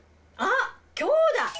あっ今日だ！